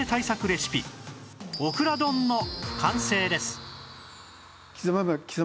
レシピオクラ丼の完成です！